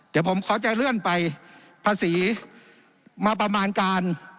เดี๋ยวผมเขาจะเลื่อนไปภาษีมาประมาณการ